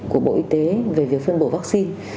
của bộ y tế về việc phân bổ vaccine